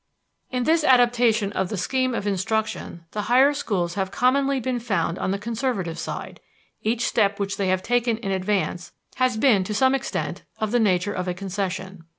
In this adaptation of the scheme of instruction the higher schools have commonly been found on the conservative side; each step which they have taken in advance has been to some extent of the nature of a concession.